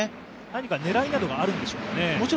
何か狙いなどがあるんでしょうかね。